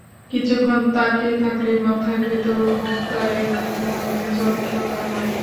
কিছুক্ষণ তাকিয়ে থাকলেই মাথার ভেতর ভোঁতা এক ধরনের যন্ত্রণা হয়।